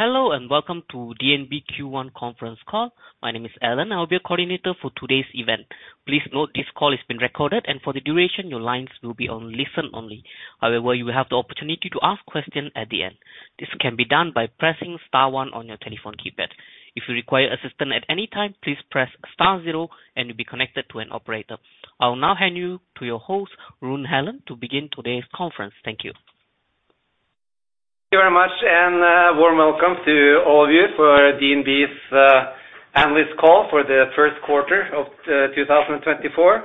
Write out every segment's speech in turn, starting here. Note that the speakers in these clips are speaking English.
Hello, and welcome to DNB Q1 conference call. My name is Alan, I'll be your coordinator for today's event. Please note this call is being recorded, and for the duration, your lines will be on listen only. However, you will have the opportunity to ask questions at the end. This can be done by pressing star one on your telephone keypad. If you require assistance at any time, please press star zero, and you'll be connected to an operator. I'll now hand you to your host, Rune Helland, to begin today's conference. Thank you. Thank you very much, and a warm welcome to all of you for DNB's analyst call for the first quarter of 2024.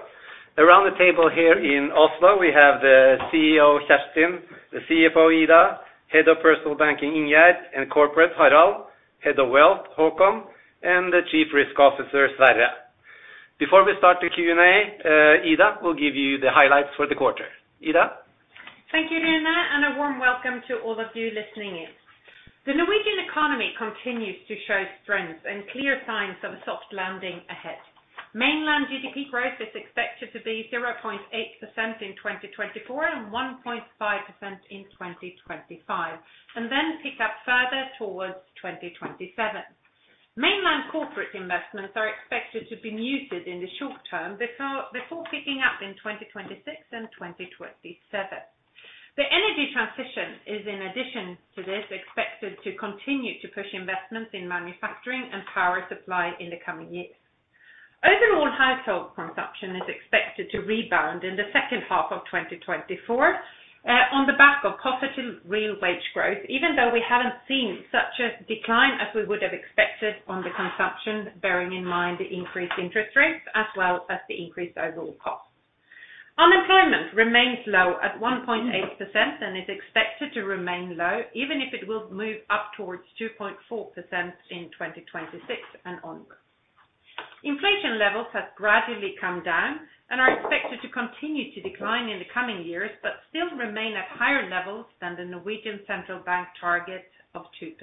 Around the table here in Oslo, we have the CEO, Kjerstin, the CFO, Ida, Head of Personal Banking, Ingjerd, and Corporate, Harald, Head of Wealth, Håkon, and the Chief Risk Officer, Sverre. Before we start the Q&A, Ida will give you the highlights for the quarter. Ida? Thank you, Rune, and a warm welcome to all of you listening in. The Norwegian economy continues to show strength and clear signs of a soft landing ahead. Mainland GDP growth is expected to be 0.8% in 2024, and 1.5% in 2025, and then pick up further towards 2027. Mainland corporate investments are expected to be muted in the short term, before picking up in 2026 and 2027. The energy transition is, in addition to this, expected to continue to push investments in manufacturing and power supply in the coming years. Overall, household consumption is expected to rebound in the second half of 2024, on the back of positive real wage growth, even though we haven't seen such a decline as we would have expected on the consumption, bearing in mind the increased interest rates, as well as the increased overall costs. Unemployment remains low at 1.8% and is expected to remain low, even if it will move up towards 2.4% in 2026 and onwards. Inflation levels have gradually come down and are expected to continue to decline in the coming years, but still remain at higher levels than the Norwegian Central Bank target of 2%.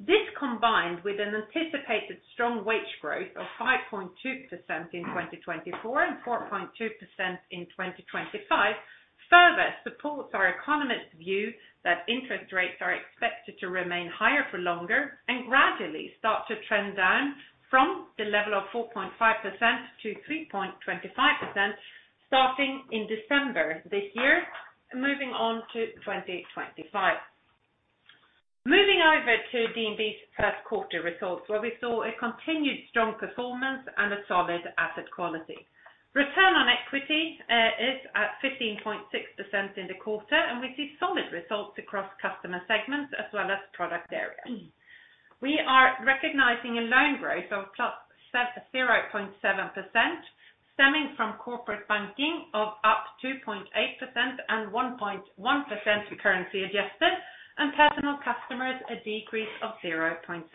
This, combined with an anticipated strong wage growth of 5.2% in 2024 and 4.2% in 2025, further supports our economists' view that interest rates are expected to remain higher for longer, and gradually start to trend down from the level of 4.5% to 3.25%, starting in December this year, moving on to 2025. Moving over to DNB's first quarter results, where we saw a continued strong performance and a solid asset quality. Return on equity is at 15.6% in the quarter, and we see solid results across customer segments as well as product areas. We are recognizing a loan growth of +0.7%, stemming from Corporate Banking of up 2.8% and 1.1% currency adjusted, and Personal Customers, a decrease of 0.7%.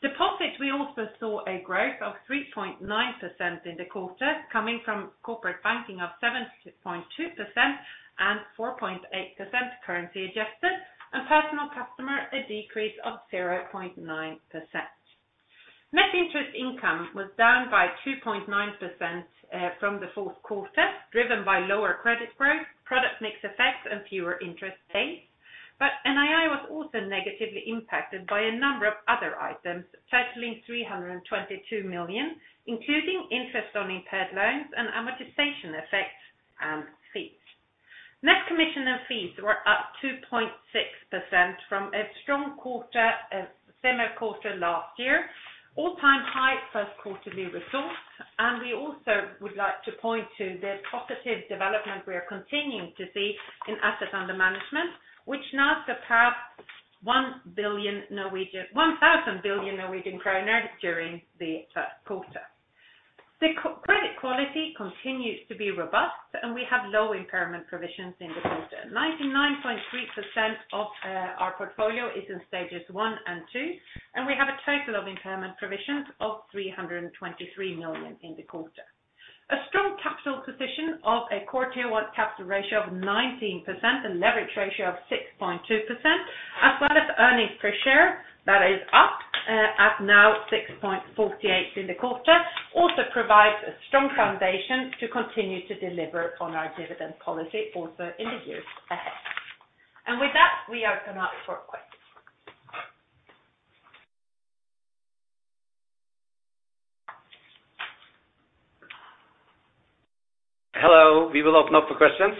Deposits, we also saw a growth of 3.9% in the quarter, coming from Corporate Banking of 7.2% and 4.8% currency adjusted, and personal customer, a decrease of 0.9%. Net interest income was down by 2.9% from the fourth quarter, driven by lower credit growth, product mix effects, and fewer interest rates. But NII was also negatively impacted by a number of other items, totaling 322 million, including interest on impaired loans and amortization effects and fees. Net commission and fees were up 2.6% from a strong quarter, same quarter last year, all-time high first quarterly results, and we also would like to point to the positive development we are continuing to see in assets under management, which now surpass 1,000 billion Norwegian kroner during the first quarter. The credit quality continues to be robust, and we have low impairment provisions in the quarter. 99.3% of our portfolio is in Stages 1 and 2, and we have a total of impairment provisions of 323 million in the quarter. A strong capital position of a quarter 1 capital ratio of 19%, a leverage ratio of 6.2%, as well as earnings per share that is up at now 6.48 in the quarter, also provides a strong foundation to continue to deliver on our dividend policy also in the years ahead. With that, we open up for questions. Hello, we will open up for questions.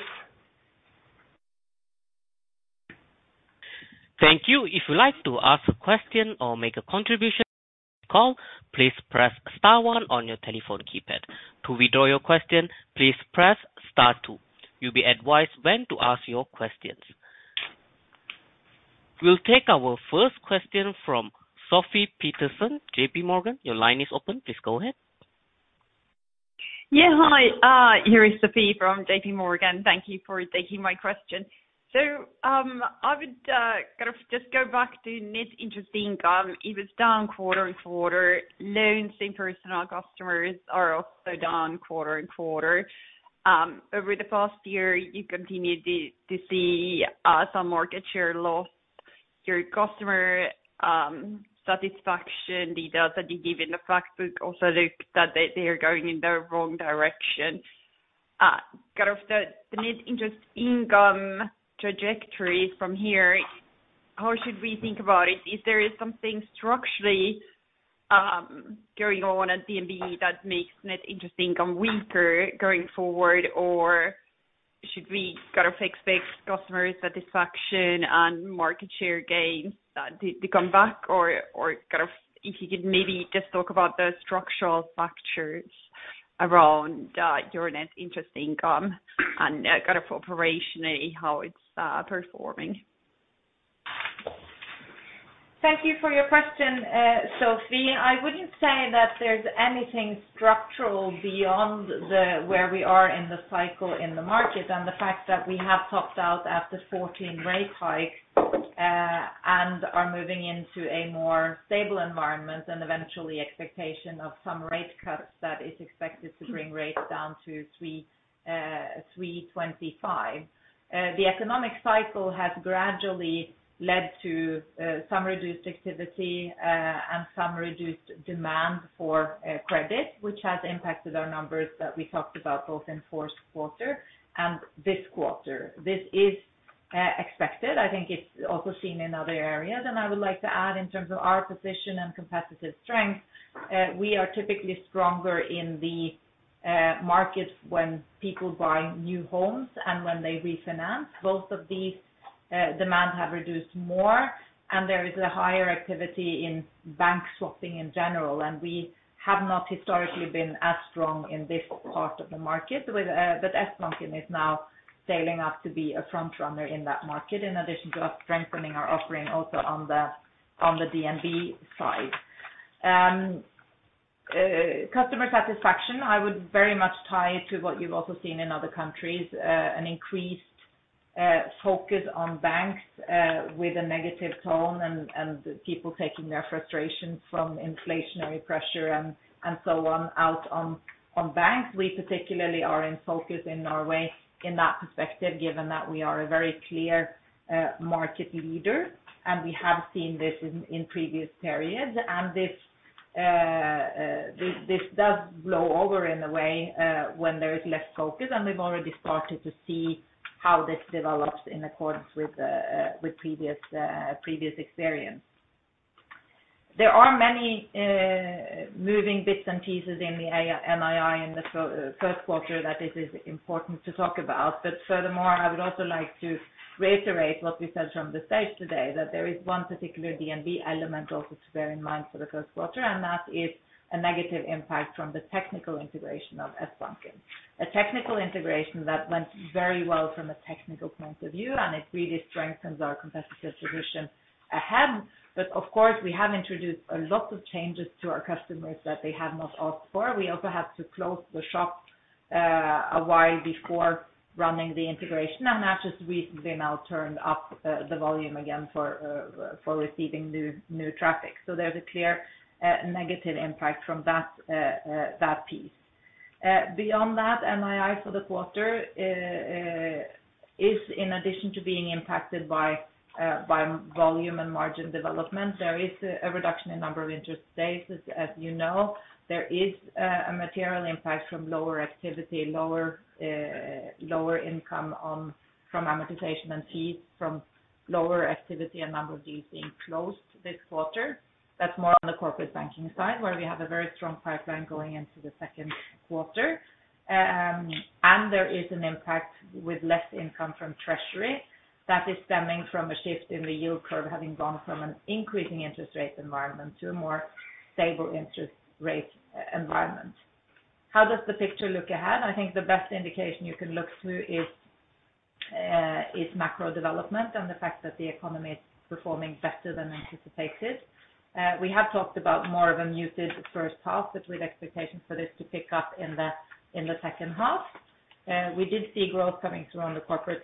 Thank you. If you'd like to ask a question or make a contribution to this call, please press star one on your telephone keypad. To withdraw your question, please press star two. You'll be advised when to ask your questions. We'll take our first question from Sofie Peterzens, JPMorgan. Your line is open, please go ahead. Yeah, hi, here is Sofie from J.P. Morgan. Thank you for taking my question. So, I would kind of just go back to net interest income. It was down quarter and quarter. Loans in Personal Customers are also down quarter-on-quarter. Over the past year, you continued to see some market share loss. Your customer satisfaction, the data that you give in the Factbook also look that they are going in the wrong direction... Kind of the net interest income trajectory from here, how should we think about it? Is there something structurally going on at DNB that makes net interest income weaker going forward or should we kind of expect customer satisfaction and market share gains to come back, or kind of if you could maybe just talk about the structural factors around your net interest income and kind of operationally, how it's performing. Thank you for your question, Sofie. I wouldn't say that there's anything structural beyond where we are in the cycle, in the market, and the fact that we have topped out at the 14 rate hike and are moving into a more stable environment and eventually expectation of some rate cuts that is expected to bring rates down to 3-3.25. The economic cycle has gradually led to some reduced activity and some reduced demand for credit, which has impacted our numbers that we talked about both in fourth quarter and this quarter. This is expected. I think it's also seen in other areas. And I would like to add, in terms of our position and competitive strength, we are typically stronger in the market when people buy new homes and when they refinance. Both of these, demand have reduced more, and there is a higher activity in bank swapping in general, and we have not historically been as strong in this part of the market. With, but Sbanken is now sailing up to be a front runner in that market, in addition to us strengthening our offering also on the, on the DNB side. Customer satisfaction, I would very much tie it to what you've also seen in other countries, an increased, focus on banks, with a negative tone and, and people taking their frustration from inflationary pressure and, and so on, out on, on banks. We particularly are in focus in Norway in that perspective, given that we are a very clear, market leader, and we have seen this in, in previous periods. And this does blow over in a way, when there is less focus, and we've already started to see how this develops in accordance with, with previous experience. There are many moving bits and pieces in the NII in the first quarter that it is important to talk about. But furthermore, I would also like to reiterate what we said from the stage today, that there is one particular DNB element also to bear in mind for the first quarter, and that is a negative impact from the technical integration of Sbanken. A technical integration that went very well from a technical point of view, and it really strengthens our competitive position ahead. But of course, we have introduced a lot of changes to our customers that they have not asked for. We also had to close the shop a while before running the integration, and have just recently now turned up the volume again for receiving new traffic. So there's a clear negative impact from that piece. Beyond that, NII for the quarter is in addition to being impacted by volume and margin development. There is a reduction in number of interest rates, as you know. There is a material impact from lower activity, lower income from amortization and fees, from lower activity and number of deals being closed this quarter. That's more on the Corporate Banking side, where we have a very strong pipeline going into the second quarter. And there is an impact with less income from treasury that is stemming from a shift in the yield curve, having gone from an increasing interest rate environment to a more stable interest rate environment. How does the picture look ahead? I think the best indication you can look through is macro development and the fact that the economy is performing better than anticipated. We have talked about more of a muted first half, but with expectations for this to pick up in the second half. We did see growth coming through on the corporate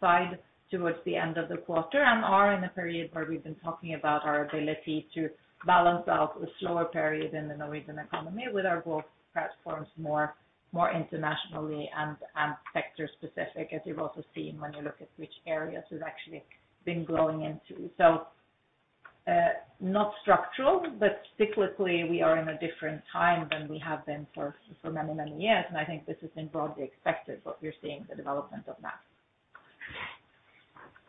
side towards the end of the quarter, and are in a period where we've been talking about our ability to balance out a slower period in the Norwegian economy with our growth platforms, more internationally and sector specific, as you've also seen when you look at which areas we've actually been growing into. So, not structural, but cyclically we are in a different time than we have been for many years. And I think this has been broadly expected, what we're seeing, the development of that.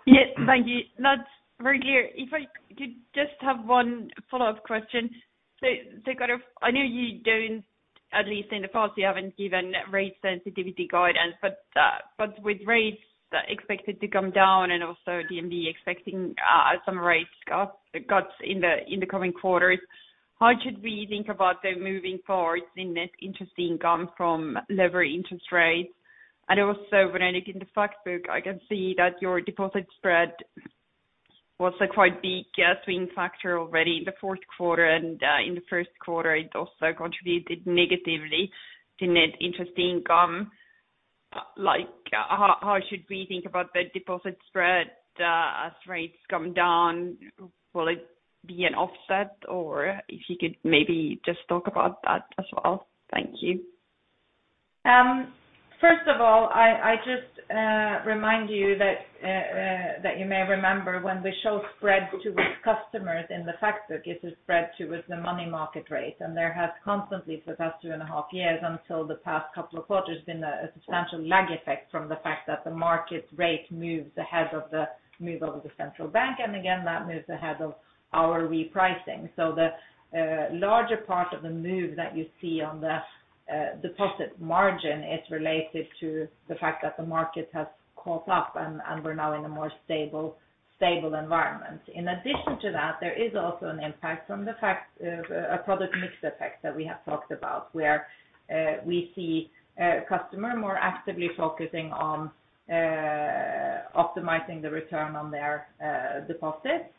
Yeah, thank you. That's very clear. If I could just have one follow-up question. So kind of... I know you don't, at least in the past, you haven't given rate sensitivity guidance, but with rates expected to come down and also DNB expecting some rate cuts in the coming quarters, how should we think about the moving parts in this interest income from lower interest rates? And also, when I look in the Factbook, I can see that your deposit spread was a quite big swing factor already in the fourth quarter. And in the first quarter, it also contributed negatively to net interest income. Like, how should we think about the deposit spread as rates come down? Will it be an offset, or if you could maybe just talk about that as well? Thank you. First of all, I just remind you that you may remember, when we show spread towards customers in the fact that this is spread towards the money market rate, and there has constantly, for the past two and a half years until the past couple of quarters, been a substantial lag effect from the fact that the market rate moves ahead of the move of the central bank, and again, that moves ahead of our repricing. So the larger part of the move that you see on the deposit margin is related to the fact that the market has caught up and we're now in a more stable environment. In addition to that, there is also an impact from the fact, a product mix effect that we have talked about, where we see customer more actively focusing on optimizing the return on their deposits.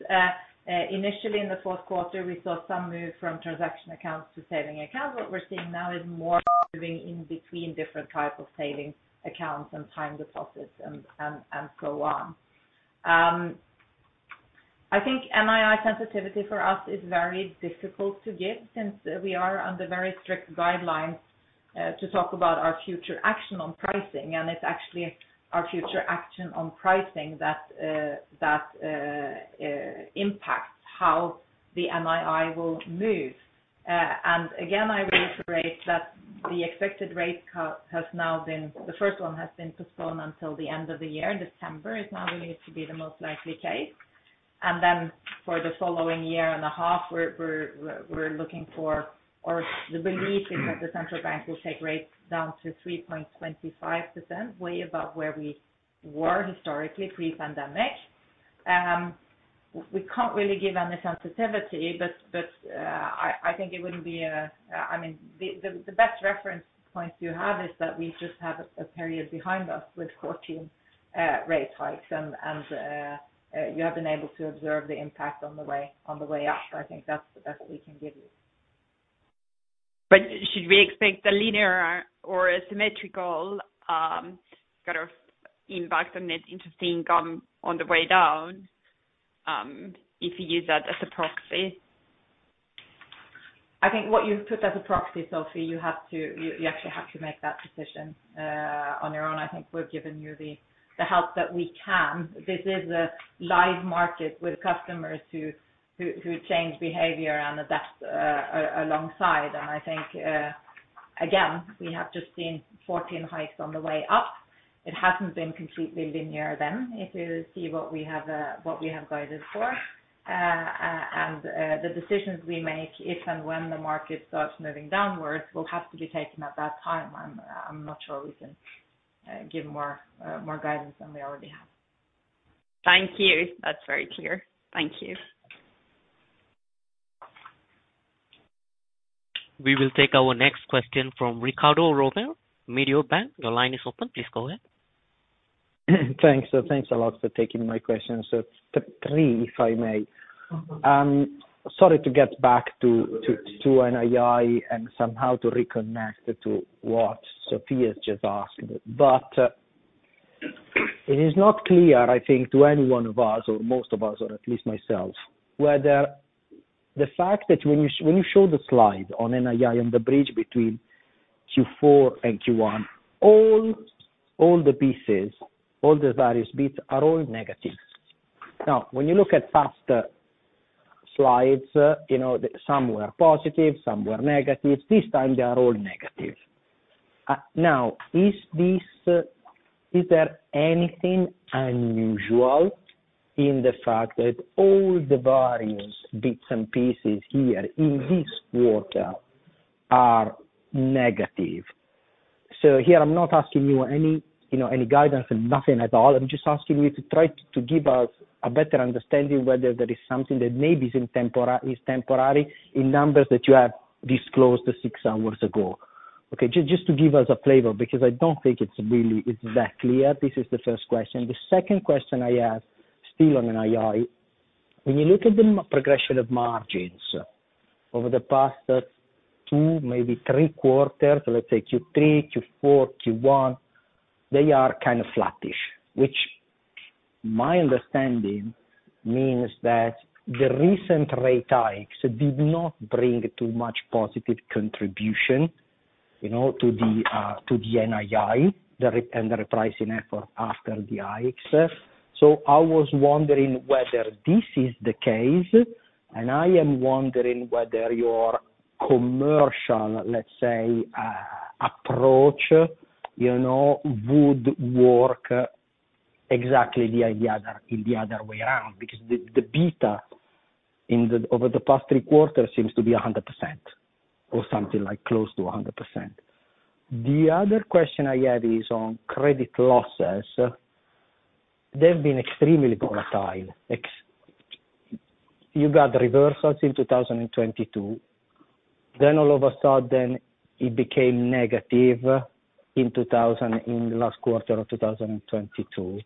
Initially, in the fourth quarter, we saw some move from transaction accounts to saving accounts. What we're seeing now is more moving in between different types of savings accounts and time deposits and so on. I think NII sensitivity for us is very difficult to give since we are under very strict guidelines to talk about our future action on pricing, and it's actually our future action on pricing that impacts how the NII will move. and again, I reiterate that the expected rate cut has now been, the first one has been postponed until the end of the year. December is now believed to be the most likely case. And then for the following year and a half, we're looking for, or the belief is that the central bank will take rates down to 3.25%, way above where we were historically pre-pandemic. We can't really give any sensitivity, but, I think it wouldn't be, I mean, the best reference point you have is that we just have a period behind us with 14 rate hikes, and you have been able to observe the impact on the way up. I think that's the best we can give you. But should we expect a linear or a symmetrical kind of impact on the interesting on the way down if you use that as a proxy? I think what you've put as a proxy, Sofie, you have to... you actually have to make that decision on your own. I think we've given you the help that we can. This is a live market with customers who change behavior, and that's alongside. And I think again, we have just seen 14 hikes on the way up. It hasn't been completely linear then, if you see what we have guided for. And the decisions we make, if and when the market starts moving downwards, will have to be taken at that time. I'm not sure we can give more guidance than we already have. Thank you. That's very clear. Thank you. We will take our next question from Riccardo Rovere, Mediobanca. Your line is open. Please go ahead. Thanks. So thanks a lot for taking my question. So three, if I may. Sorry to get back to to NII and somehow to reconnect to what Sofie has just asked. But it is not clear, I think, to any one of us, or most of us, or at least myself, whether the fact that when you show the slide on NII and the bridge between Q4 and Q1, all the pieces, all the various bits are all negative. Now, when you look at past slides, you know, some were positive, some were negative. This time, they are all negative. Now, is there anything unusual in the fact that all the various bits and pieces here in this quarter are negative? So here, I'm not asking you any, you know, any guidance, nothing at all. I'm just asking you to try to give us a better understanding whether there is something that maybe is temporary in numbers that you have disclosed 6 hours ago. Okay, just to give us a flavor, because I don't think it's really that clear. This is the first question. The second question I ask, still on NII, when you look at the progression of margins over the past 2, maybe 3 quarters, let's say Q3, Q4, Q1, they are kind of flattish, which my understanding means that the recent rate hikes did not bring too much positive contribution, you know, to the NII, and the repricing effort after the hikes. So I was wondering whether this is the case, and I am wondering whether your commercial, let's say, approach, you know, would work exactly the idea, in the other way around, because the beta over the past three quarters seems to be 100%, or something like close to 100%. The other question I have is on credit losses. They've been extremely volatile. You got reversals in 2022, then all of a sudden, it became negative in 2022... in the last quarter of 2022.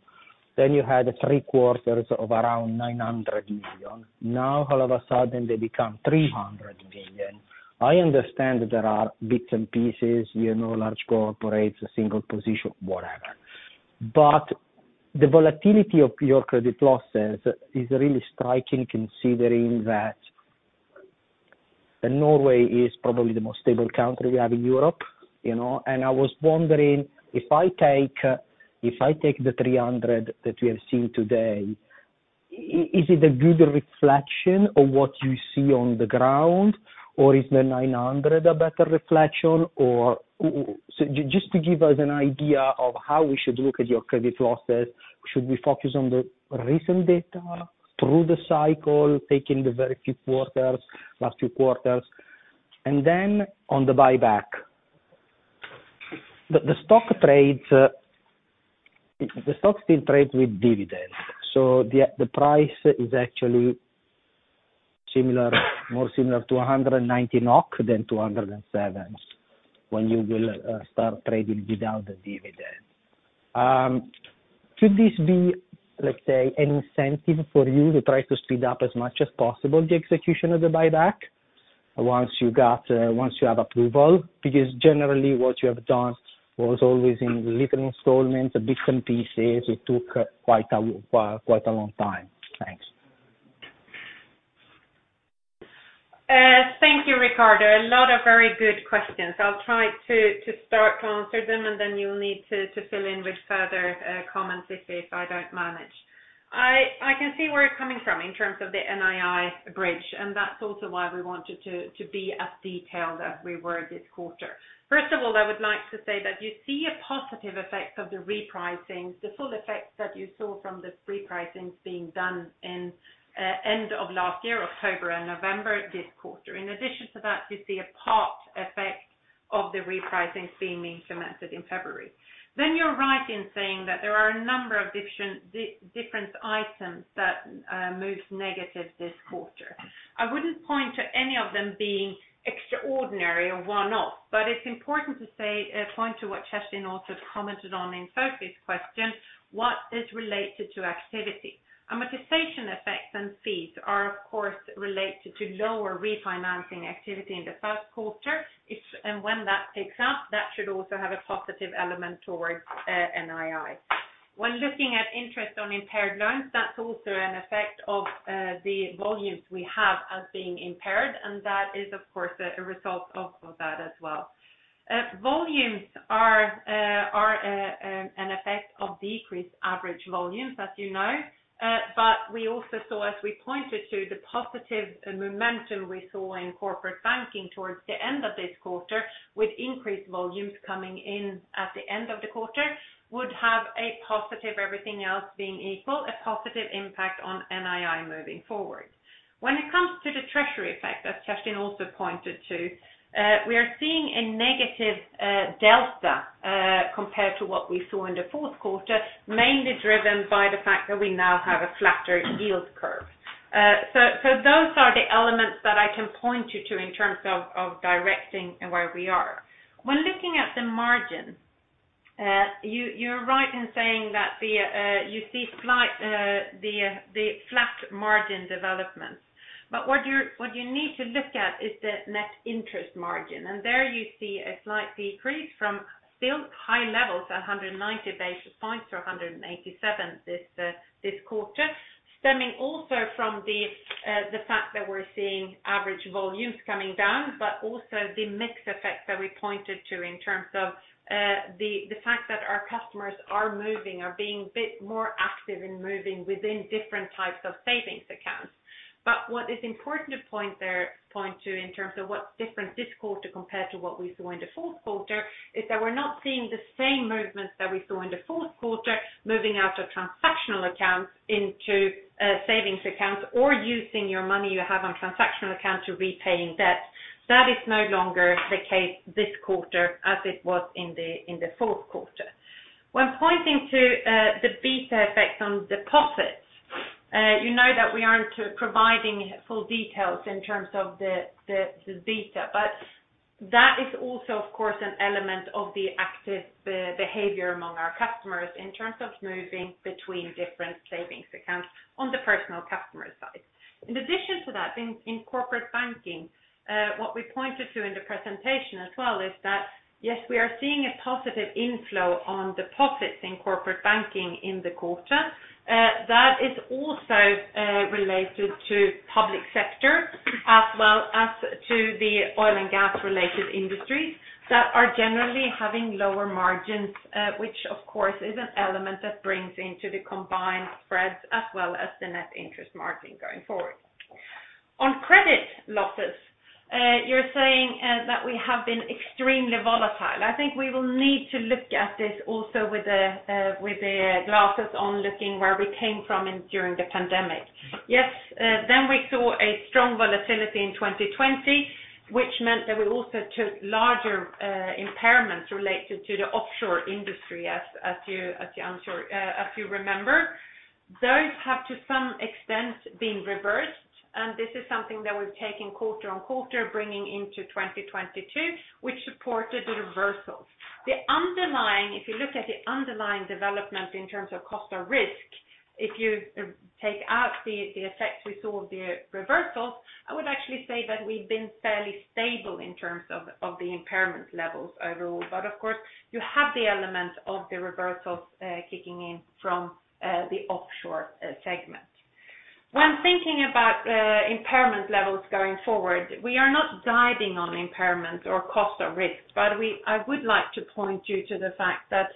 Then you had three quarters of around 900 million. Now, all of a sudden, they become 300 million. I understand that there are bits and pieces, you know, large corporates, a single position, whatever. But the volatility of your credit losses is really striking, considering that-... Norway is probably the most stable country we have in Europe, you know? I was wondering, if I take, if I take the 300 NOK that we have seen today, is it a good reflection of what you see on the ground, or is the 900 NOK a better reflection? Or so just to give us an idea of how we should look at your credit losses, should we focus on the recent data through the cycle, taking the very few quarters, last few quarters? Then on the buyback, the stock trades, the stock still trades with dividends, so the price is actually similar, more similar to 190 NOK than 207 NOK, when you will start trading without the dividend. Should this be, let's say, an incentive for you to try to speed up as much as possible the execution of the buyback, once you have approval? Because generally, what you have done was always in little installments and different pieces. It took quite a long time. Thanks. Thank you, Riccardo. A lot of very good questions. I'll try to start to answer them, and then you'll need to fill in with further comments if I don't manage. I can see where you're coming from in terms of the NII bridge, and that's also why we wanted to be as detailed as we were this quarter. First of all, I would like to say that you see a positive effect of the repricing, the full effect that you saw from the repricing being done in end of last year, October and November this quarter. In addition to that, you see a part effect of the repricing being implemented in February. Then you're right in saying that there are a number of different items that moved negative this quarter. I wouldn't point to any of them being extraordinary or one-off, but it's important to say, point to what Kjerstin also commented on in Sofie's question, what is related to activity. Amortization effects and fees are, of course, related to lower refinancing activity in the first quarter. If and when that picks up, that should also have a positive element towards, NII. When looking at interest on impaired loans, that's also an effect of, the volumes we have as being impaired, and that is, of course, a result of, of that as well. Volumes are an effect of decreased average volumes, as you know, but we also saw, as we pointed to, the positive momentum we saw in Corporate Banking towards the end of this quarter, with increased volumes coming in at the end of the quarter, would have a positive, everything else being equal, a positive impact on NII moving forward. When it comes to the treasury effect, as Kjerstin also pointed to, we are seeing a negative delta compared to what we saw in the fourth quarter, mainly driven by the fact that we now have a flatter yield curve. So those are the elements that I can point you to in terms of directing where we are. When looking at the margin, you're right in saying that you see slight the flat margin development. But what you need to look at is the net interest margin, and there you see a slight decrease from still high levels, 190 basis points to 187 this quarter. Stemming also from the fact that we're seeing average volumes coming down, but also the mix effect that we pointed to in terms of the fact that our customers are moving, are being bit more active in moving within different types of savings accounts. But what is important to point to in terms of what's different this quarter compared to what we saw in the fourth quarter, is that we're not seeing the same movements that we saw in the fourth quarter, moving out of transactional accounts into savings accounts or using your money you have on transactional accounts to repaying debt. That is no longer the case this quarter, as it was in the fourth quarter. When pointing to the beta effect on deposits, you know that we aren't providing full details in terms of the beta. But that is also, of course, an element of the active behavior among our customers in terms of moving between different savings accounts on the personal customer side. In addition to that, in Corporate Banking, what we pointed to in the presentation as well, is that, yes, we are seeing a positive inflow on deposits in Corporate Banking in the quarter. That is also related to public sector, as well as to the oil and gas-related industries that are generally having lower margins, which, of course, is an element that brings into the combined spreads as well as the net interest margin going forward. On credit losses, you're saying that we have been extremely volatile. I think we will need to look at this also with the glasses on, looking where we came from in during the pandemic. Yes, then we saw a strong volatility in 2020, which meant that we also took larger impairments related to the offshore industry, as you remember. Those have, to some extent, been reversed, and this is something that we're taking quarter on quarter, bringing into 2022, which supported the reversals. The underlying, if you look at the underlying development in terms of cost of risk, if you take out the effects we saw of the reversals, I would actually say that we've been fairly stable in terms of the impairment levels overall. But of course, you have the element of the reversals kicking in from the offshore segment. When thinking about impairment levels going forward, we are not guiding on impairment or cost or risks, but we—I would like to point you to the fact that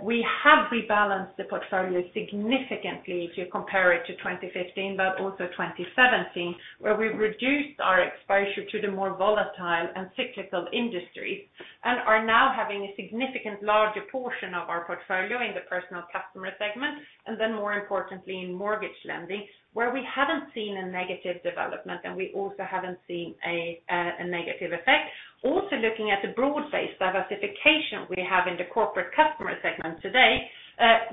we have rebalanced the portfolio significantly if you compare it to 2015, but also 2017, where we reduced our exposure to the more volatile and cyclical industries, and are now having a significant larger portion of our portfolio in the personal customer segment, and then more importantly, in mortgage lending, where we haven't seen a negative development, and we also haven't seen a negative effect. Also, looking at the broad-based diversification we have in the corporate customer segment today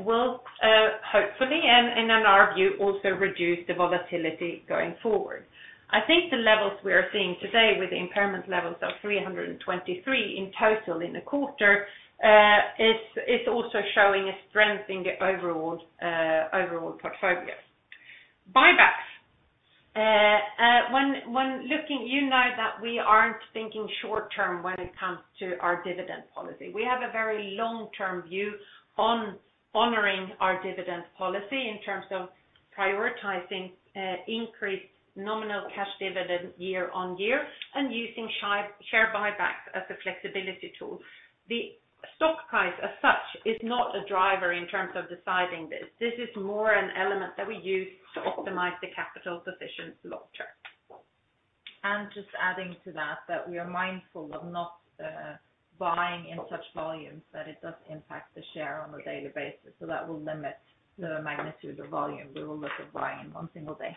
will hopefully, and in our view, also reduce the volatility going forward. I think the levels we are seeing today with the impairment levels of 323 in total in the quarter is also showing a strengthening overall overall portfolio. Buybacks. When looking, you know that we aren't thinking short term when it comes to our dividend policy. We have a very long-term view on honoring our dividend policy in terms of prioritizing increased nominal cash dividend year on year, and using share buybacks as a flexibility tool. The stock price, as such, is not a driver in terms of deciding this. This is more an element that we use to optimize the capital position long term. Just adding to that, that we are mindful of not buying in such volumes that it does impact the share on a daily basis, so that will limit the magnitude or volume we will look at buying in one single day.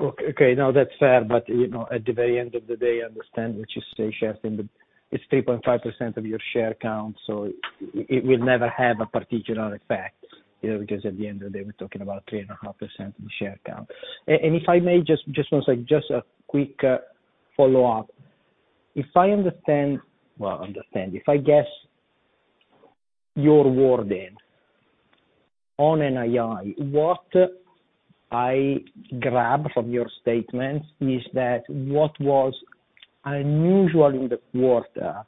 Okay, now that's fair, but, you know, at the very end of the day, I understand what you say, Kjerstin, but it's 3.5% of your share count, so it will never have a particular effect, you know, because at the end of the day, we're talking about 3.5% of the share count. And if I may just one sec, just a quick follow-up. If I understand. Well, if I guess your wording on NII, what I grab from your statement is that what was unusual in the quarter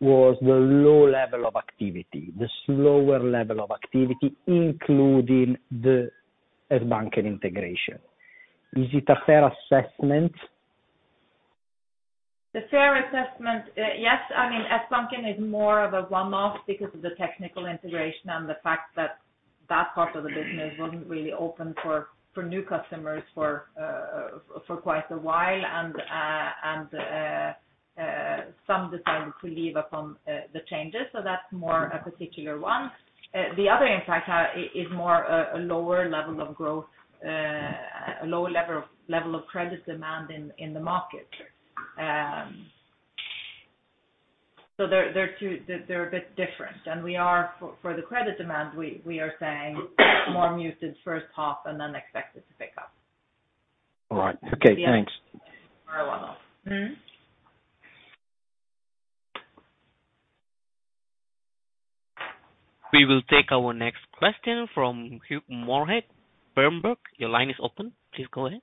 was the low level of activity, the slower level of activity, including the Sbanken integration. Is it a fair assessment? A fair assessment, yes. I mean, Sbanken is more of a one-off because of the technical integration and the fact that that part of the business wasn't really open for new customers for quite a while, and some decided to leave upon the changes, so that's more a particular one. The other impact is more a lower level of growth, a lower level of credit demand in the market. So they're a bit different, and we are for the credit demand, we are saying more muted first half and then expected to pick up. All right. Okay, thanks. You're welcome. Mm-hmm. We will take our next question from Hugh Moorhead, Berenberg. Your line is open. Please go ahead.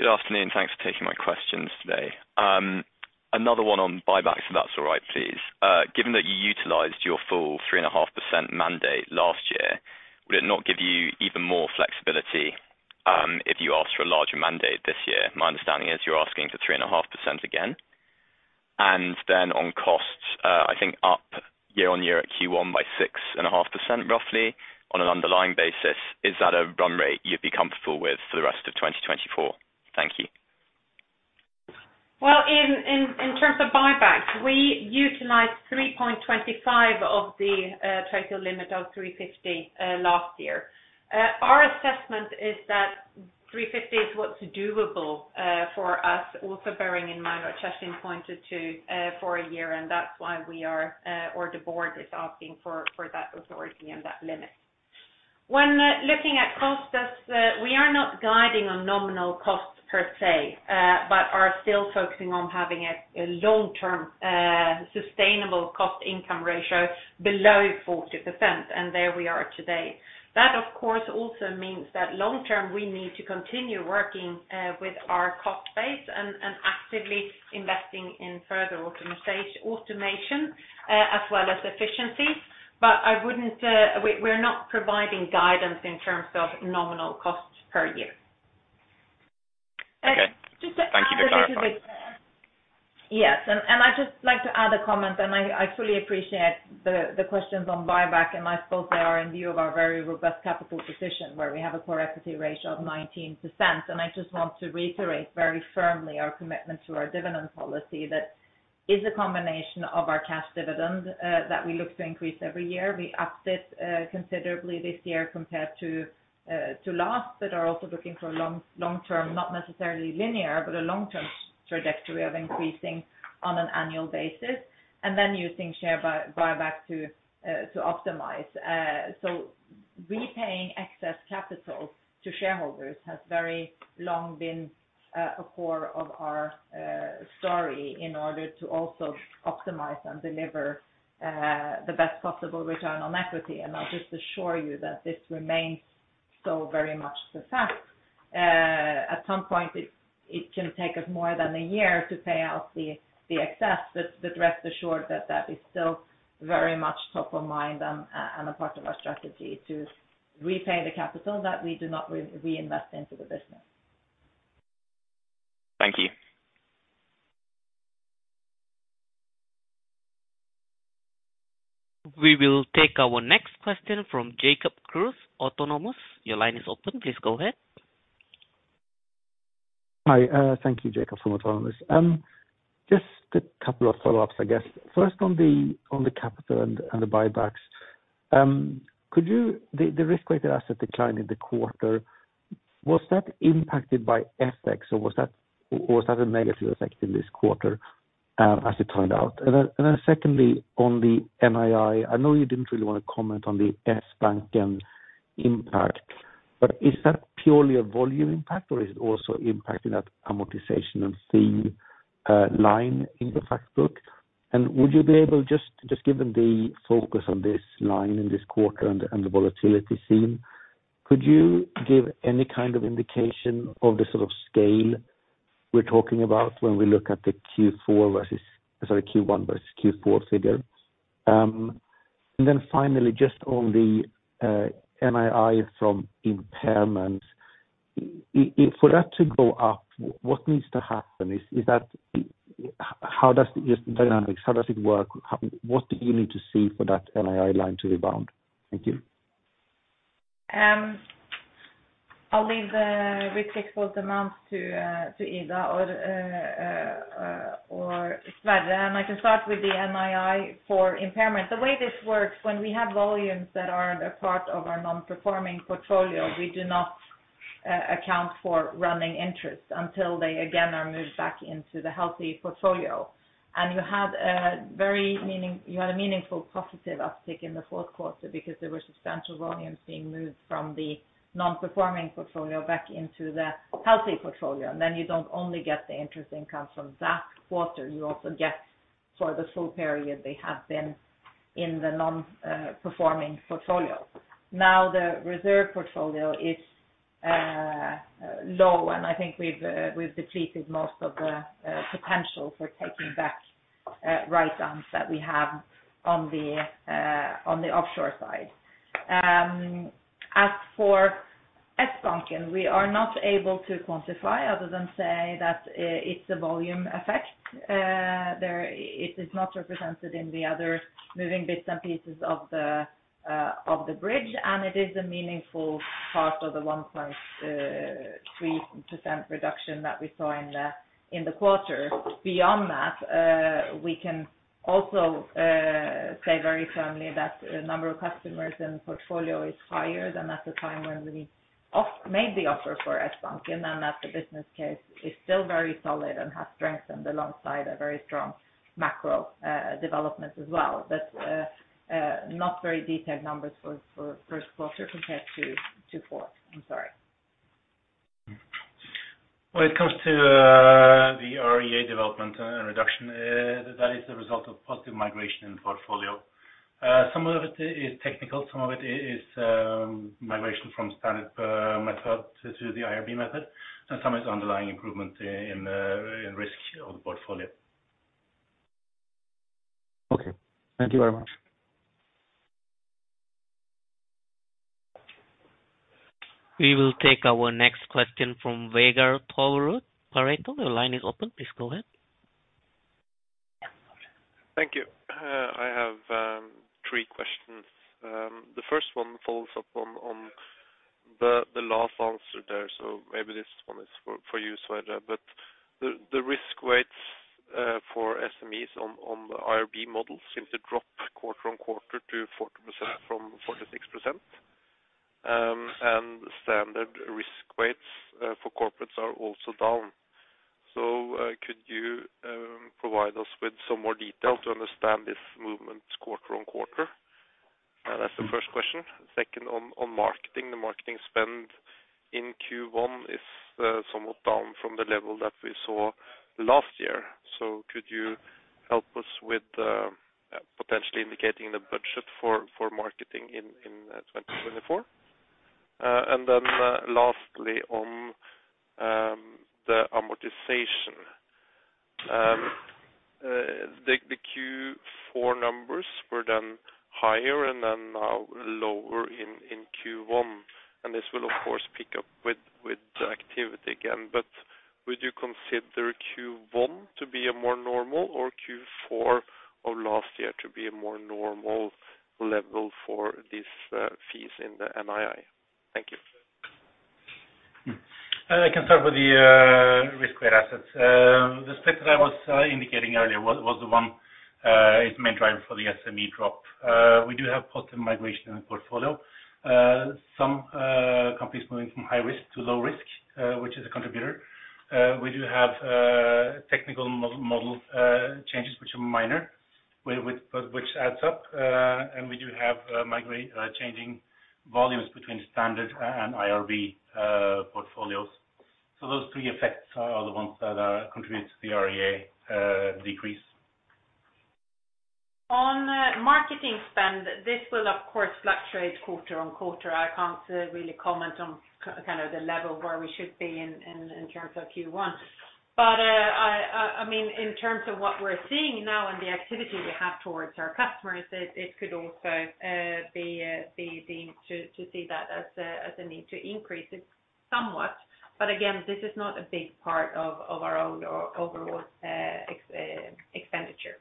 Good afternoon. Thanks for taking my questions today. Another one on buybacks, if that's all right, please. Given that you utilized your full 3.5% mandate last year, would it not give you even more flexibility, if you asked for a larger mandate this year? My understanding is you're asking for 3.5% again. And then on costs, I think up year-on-year at Q1 by 6.5%, roughly, on an underlying basis, is that a run rate you'd be comfortable with for the rest of 2024? Thank you. Well, in terms of buybacks, we utilized 3.25 of the total limit of 350 last year. Our assessment is that 350 is what's doable for us, also bearing in mind what Kjerstin pointed to for a year, and that's why we are, or the board is asking for that authority and that limit. When looking at costs, as we are not guiding on nominal costs per se, but are still focusing on having a long-term sustainable cost-income ratio below 40%, and there we are today. That, of course, also means that long term, we need to continue working with our cost base and actively investing in further automation, as well as efficiencies. But I wouldn't, we're not providing guidance in terms of nominal costs per year. Okay. Just to add- Thank you for clarifying. Yes, and I'd just like to add a comment, and I truly appreciate the questions on buyback, and I suppose they are in view of our very robust capital position, where we have a core equity ratio of 19%. And I just want to reiterate very firmly our commitment to our dividend policy that is a combination of our cash dividend that we look to increase every year. We upped it considerably this year compared to last, but are also looking for a long-term, not necessarily linear, but a long-term trajectory of increasing on an annual basis, and then using share buyback to optimize. So repaying excess capital to shareholders has very long been a core of our story in order to also optimize and deliver the best possible return on equity, and I'll just assure you that this remains- ... so very much the fact, at some point, it can take us more than a year to pay out the excess, but rest assured that that is still very much top of mind and a part of our strategy to repay the capital that we do not reinvest into the business. Thank you. We will take our next question from Jacob Kruse, Autonomous. Your line is open. Please go ahead. Hi, thank you. Jacob from Autonomous. Just a couple of follow-ups, I guess. First, on the capital and the buybacks. Could you—the risk-weighted asset decline in the quarter, was that impacted by FX, or was that a negative effect in this quarter, as it turned out? And then secondly, on the NII, I know you didn't really want to comment on the Sbanken impact, but is that purely a volume impact, or is it also impacting that amortization and fee line in the Factbook? And would you be able, just given the focus on this line in this quarter and the volatility seen, could you give any kind of indication of the sort of scale we're talking about when we look at the Q4 versus, sorry, Q1 versus Q4 figure? And then finally, just on the NII from impairment, for that to go up, what needs to happen? How does the dynamics work? What do you need to see for that NII line to rebound? Thank you. I'll leave the specific amounts to Ida or Sverre, and I can start with the NII for impairment. The way this works, when we have volumes that are a part of our non-performing portfolio, we do not account for running interest until they again are moved back into the healthy portfolio. You had a meaningful positive uptick in the fourth quarter because there were substantial volumes being moved from the non-performing portfolio back into the healthy portfolio. And then you don't only get the interest income from that quarter, you also get for the full period they have been in the non-performing portfolio. Now, the reserve portfolio is low, and I think we've depleted most of the potential for taking back write-downs that we have on the offshore side. As for Sbanken, we are not able to quantify, other than say that it's a volume effect. There, it is not represented in the other moving bits and pieces of the bridge, and it is a meaningful part of the 1.3% reduction that we saw in the quarter. Beyond that, we can also say very firmly that the number of customers in the portfolio is higher than at the time when we made the offer for Sbanken, and that the business case is still very solid and has strengthened alongside a very strong macro development as well. But, not very detailed numbers for first quarter compared to fourth. I'm sorry. When it comes to the REA development and reduction, that is a result of positive migration in the portfolio. Some of it is technical, some of it is migration from standard method to the IRB method, and some is underlying improvement in risk of the portfolio. Okay. Thank you very much. We will take our next question from Vegard Toverud, Pareto. The line is open. Please go ahead. Thank you. I have three questions. The first one follows up on the last answer there, so maybe this one is for you, Sverre. But the risk weights for SMEs on the IRB model seems to drop quarter-on-quarter to 40% from 46%. And standard risk weights for corporates are also down. So could you provide us with some more detail to understand this movement quarter-on-quarter? That's the first question. Second, on marketing. The marketing spend in Q1 is somewhat down from the level that we saw last year. So could you help us with potentially indicating the budget for marketing in 2024? And then lastly, on the amortization. The Q4 numbers were then higher and then now lower in Q1, and this will of course pick up with the activity again. But would you consider Q1 to be a more normal or Q4 of last year to be a more normal level for these fees in the NII? Thank you. I can start with the risk-weighted assets. The step that I was indicating earlier was the one is main driver for the SME drop. We do have positive migration in the portfolio. Some companies moving from high risk to low risk, which is a contributor. We do have technical model changes, which are minor, but which adds up. And we do have migration changing volumes between standard and IRB portfolios. So those three effects are the ones that contribute to the REA decrease. ...On marketing spend, this will of course fluctuate quarter on quarter. I can't really comment on kind of the level where we should be in terms of Q1. But I mean, in terms of what we're seeing now and the activity we have towards our customers, it could also be to see that as a need to increase it somewhat. But again, this is not a big part of our own or overall expenditure.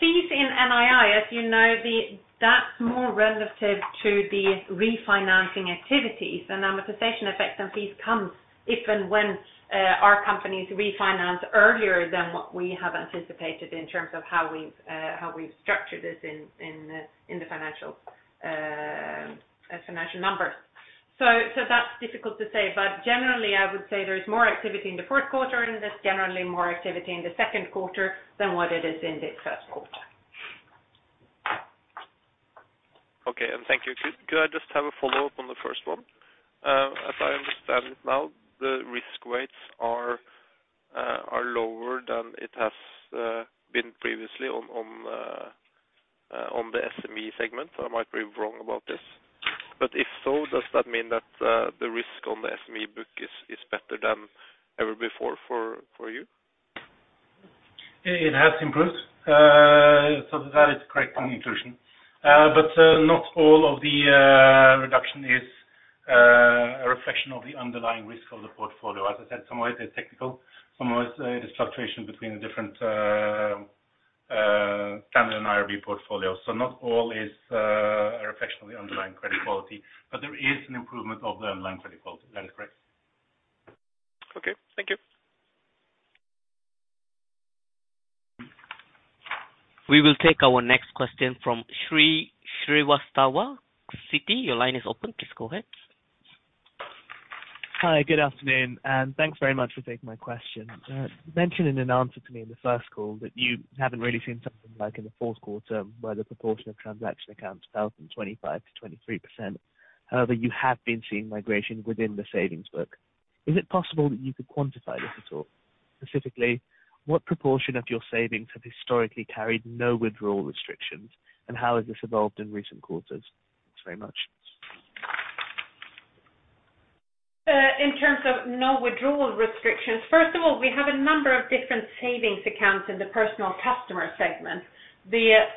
Fees in NII, as you know, that's more relative to the refinancing activities. The amortization effects and fees comes if and when our companies refinance earlier than what we have anticipated in terms of how we've structured this in the financial numbers. So that's difficult to say, but generally, I would say there's more activity in the fourth quarter, and there's generally more activity in the second quarter than what it is in the first quarter. Okay, and thank you. Could I just have a follow-up on the first one? As I understand it now, the risk rates are lower than it has been previously on the SME segment. I might be wrong about this, but if so, does that mean that the risk on the SME book is better than ever before for you? It has improved. So that is correct conclusion. But not all of the reduction is a reflection of the underlying risk of the portfolio. As I said, some of it is technical, some of it is the fluctuation between the different channel and IRB portfolios. So not all is a reflection of the underlying credit quality, but there is an improvement of the underlying credit quality. That is correct. Okay, thank you. We will take our next question from Shrey Srivastava. Citi, your line is open. Please go ahead. Hi, good afternoon, and thanks very much for taking my question. You mentioned in an answer to me in the first call that you haven't really seen something like in the fourth quarter, where the proportion of transaction accounts fell from 25 to 23%. However, you have been seeing migration within the savings book. Is it possible that you could quantify this at all? Specifically, what proportion of your savings have historically carried no withdrawal restrictions, and how has this evolved in recent quarters? Thanks very much. In terms of no withdrawal restrictions, first of all, we have a number of different savings accounts in the personal customer segment. The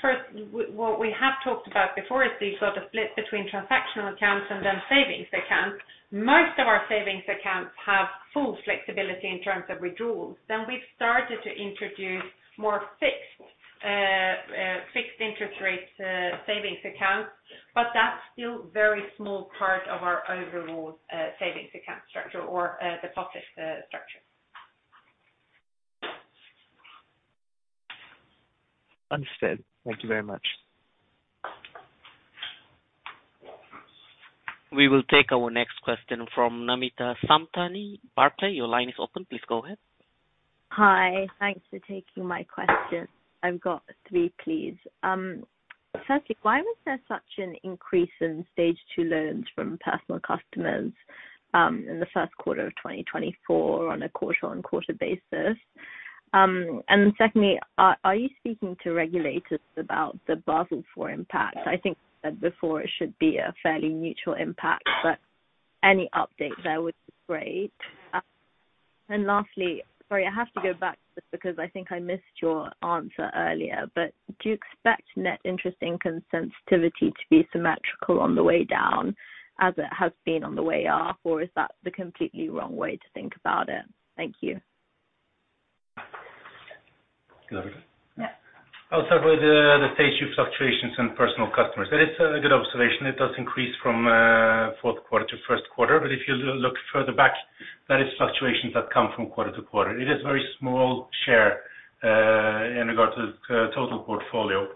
first, what we have talked about before is the sort of split between transactional accounts and then savings accounts. Most of our savings accounts have full flexibility in terms of withdrawals. Then we've started to introduce more fixed interest rates savings accounts, but that's still very small part of our overall savings account structure or the public structure. Understood. Thank you very much. We will take our next question from Namita Samtani. Barclays, your line is open. Please go ahead. Hi. Thanks for taking my question. I've got three, please. Firstly, why was there such an increase in Stage 2 loans from Personal Customers in the first quarter of 2024 on a quarter-on-quarter basis? And secondly, are you speaking to regulators about the Basel IV impact? I think you said before it should be a fairly minimal impact, but any update there would be great. And lastly, sorry, I have to go back just because I think I missed your answer earlier, but do you expect net interest income sensitivity to be symmetrical on the way down, as it has been on the way up, or is that the completely wrong way to think about it? Thank you. You want me to? Yeah. I'll start with the Stage 2 fluctuations in Personal Customers. That is a good observation. It does increase from fourth quarter to first quarter, but if you look further back, that is fluctuations that come from quarter to quarter. It is very small share in regards to total portfolio.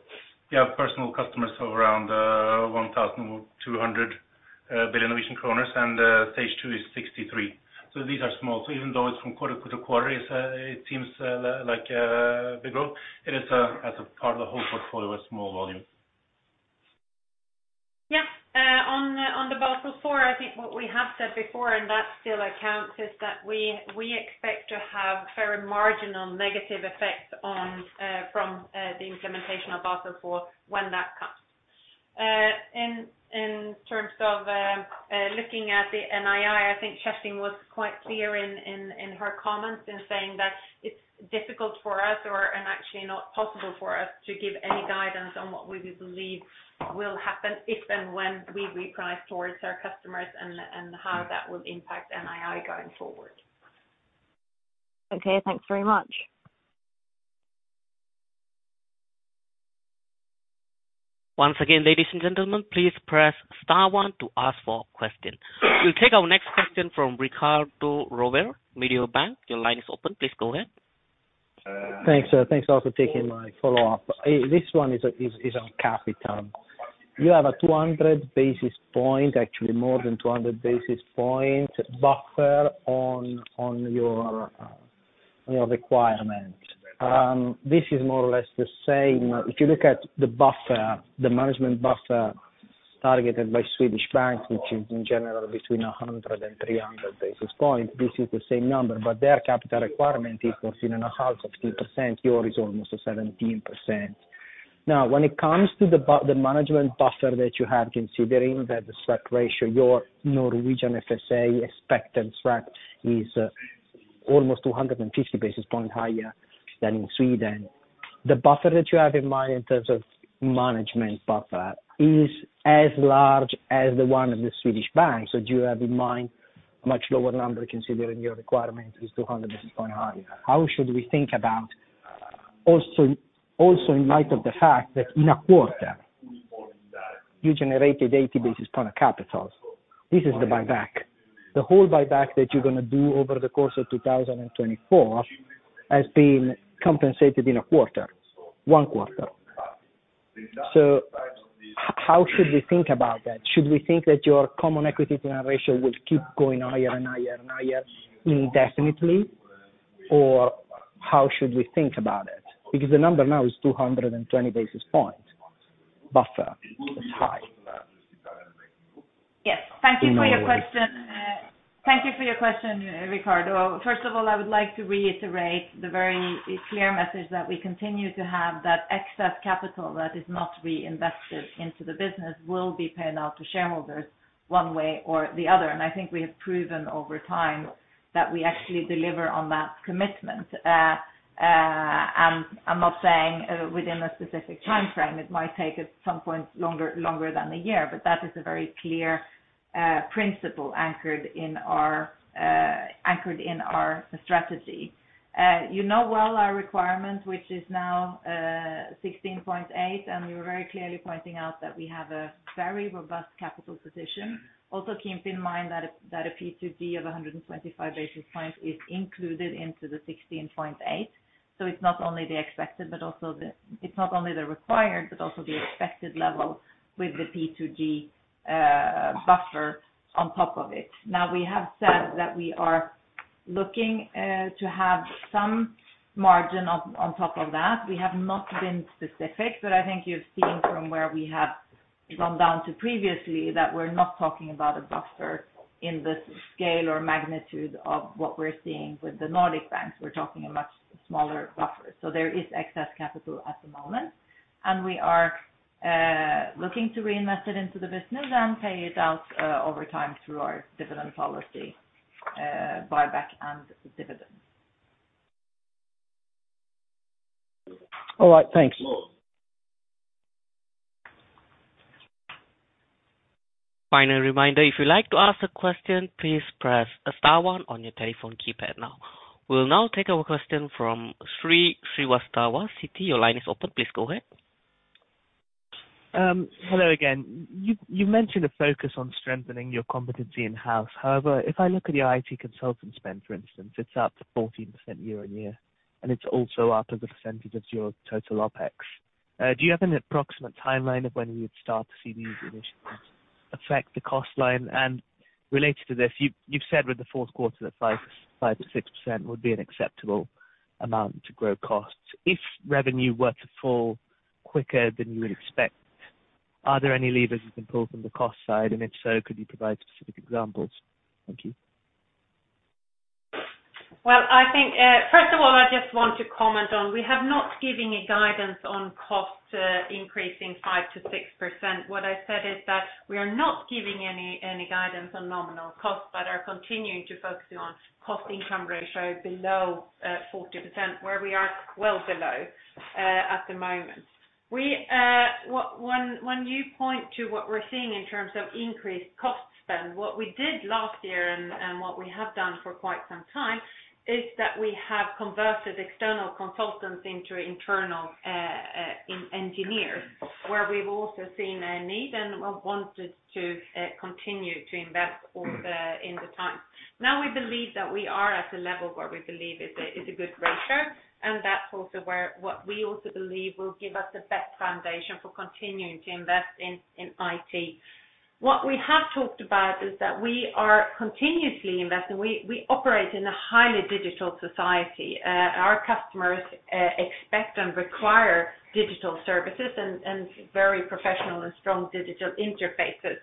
We have Personal Customers of around 1,200 billion Norwegian kroner, and stage two is 63. So these are small. So even though it's from quarter to quarter, it seems like big growth, it is as a part of the whole portfolio, a small volume. Yeah. On the Basel IV, I think what we have said before, and that still accounts, is that we expect to have very marginal negative effects from the implementation of Basel IV when that comes. In terms of looking at the NII, I think Kjerstin was quite clear in her comments in saying that it's difficult for us, or and actually not possible for us, to give any guidance on what we believe will happen if and when we reprice towards our customers and how that will impact NII going forward. Okay, thanks very much. Once again, ladies and gentlemen, please press star one to ask for question. We'll take our next question from Riccardo Rovere, Mediobanca. Your line is open. Please go ahead. Thanks. Thanks a lot for taking my follow-up. This one is on capital. You have a 200 basis point, actually more than 200 basis point buffer on your requirement. This is more or less the same. If you look at the buffer, the management buffer targeted by Swedish banks, which is in general between 100 and 300 basis points. This is the same number, but their capital requirement is 14.5-15%, yours is almost 17%. Now, when it comes to the management buffer that you have, considering that the stock ratio, your Norwegian FSA expected track is almost 250 basis points higher than in Sweden. The buffer that you have in mind in terms of management buffer is as large as the one in the Swedish bank. So do you have in mind a much lower number, considering your requirement is 200 basis points higher? How should we think about also, also in light of the fact that in a quarter, you generated 80 basis points of capital? This is the buyback. The whole buyback that you're gonna do over the course of 2024 has been compensated in a quarter, one quarter. So how should we think about that? Should we think that your common equity tier one ratio will keep going higher and higher and higher indefinitely? Or how should we think about it? Because the number now is 220 basis points buffer is high. Yes, thank you for your question, Ricardo. First of all, I would like to reiterate the very clear message that we continue to have that excess capital that is not reinvested into the business, will be paid out to shareholders one way or the other. And I think we have proven over time that we actually deliver on that commitment. And I'm not saying, within a specific timeframe, it might take us some point longer, longer than a year, but that is a very clear principle anchored in our strategy. You know well our requirement, which is now 16.8, and we were very clearly pointing out that we have a very robust capital position. Also keep in mind that a P2G of 125 basis points is included into the 16.8. So it's not only the expected, but also the. It's not only the required, but also the expected level with the P2G buffer on top of it. Now, we have said that we are looking to have some margin on top of that. We have not been specific, but I think you've seen from where we have gone down to previously, that we're not talking about a buffer in the scale or magnitude of what we're seeing with the Nordic banks. We're talking a much smaller buffer. So there is excess capital at the moment, and we are looking to reinvest it into the business and pay it out over time through our dividend policy, buyback and dividends. All right, thanks. Final reminder, if you'd like to ask a question, please press star one on your telephone keypad now. We'll now take our question from Shrey Srivastava, Citi. Your line is open, please go ahead. Hello again. You mentioned a focus on strengthening your competency in-house. However, if I look at your IT consultant spend, for instance, it's up 14% year-on-year, and it's also up as a percentage of your total OpEx. Do you have an approximate timeline of when we would start to see these initiatives affect the cost line? And related to this, you've said with the fourth quarter that 5%-6% would be an acceptable amount to grow costs. If revenue were to fall quicker than you would expect, are there any levers you can pull from the cost side? And if so, could you provide specific examples? Thank you. Well, I think, first of all, I just want to comment on, we have not given a guidance on costs increasing 5%-6%. What I said is that we are not giving any guidance on nominal costs, but are continuing to focus on cost income ratio below 40%, where we are well below at the moment. We, when you point to what we're seeing in terms of increased cost spend, what we did last year and what we have done for quite some time is that we have converted external consultants into internal engineers, where we've also seen a need and wanted to continue to invest over time. Now, we believe that we are at a level where we believe is a good ratio, and that's also where, what we also believe will give us the best foundation for continuing to invest in IT. What we have talked about is that we are continuously investing. We operate in a highly digital society. Our customers expect and require digital services and very professional and strong digital interfaces.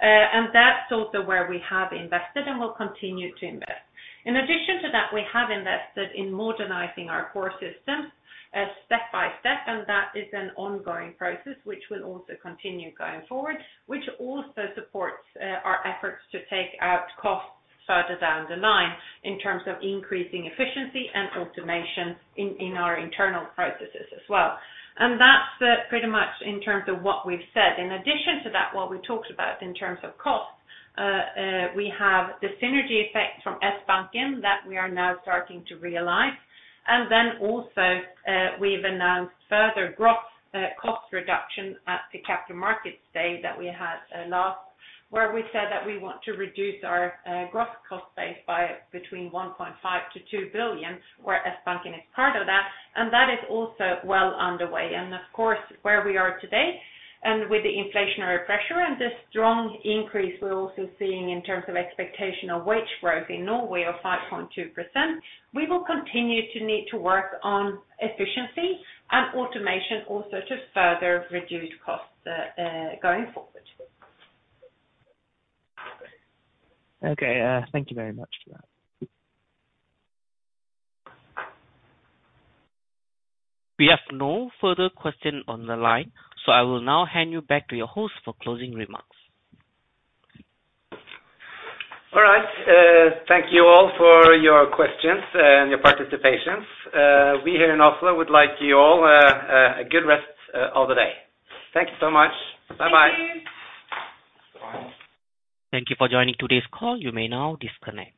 And that's also where we have invested and will continue to invest. In addition to that, we have invested in modernizing our core systems step by step, and that is an ongoing process, which will also continue going forward. Which also supports our efforts to take out costs further down the line, in terms of increasing efficiency and automation in our internal processes as well. That's pretty much in terms of what we've said. In addition to that, what we talked about in terms of costs, we have the synergy effect from Sbanken that we are now starting to realize. Then also, we've announced further gross cost reduction at the Capital Markets Day that we had last, where we said that we want to reduce our gross cost base by between 1.5 billion-2 billion, where Sbanken is part of that, and that is also well underway. Of course, where we are today, and with the inflationary pressure and the strong increase we're also seeing in terms of expectation of wage growth in Norway of 5.2%, we will continue to need to work on efficiency and automation also to further reduce costs going forward. Okay, thank you very much for that. We have no further question on the line, so I will now hand you back to your host for closing remarks. All right. Thank you all for your questions and your participations. We here in Oslo would like you all a good rest of the day. Thank you so much. Bye-bye. Thank you for joining today's call. You may now disconnect.